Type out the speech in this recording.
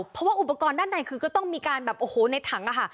เพราะว่าอุปกรณ์ด้านในคือก็ต้องมีการแบบโอ้โหในถังอะค่ะ